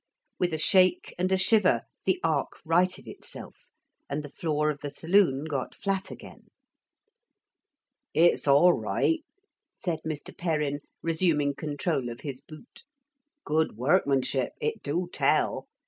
With a shake and a shiver the ark righted itself, and the floor of the saloon got flat again. 'It's all right,' said Mr. Perrin, resuming control of his boot; 'good workmanship, it do tell.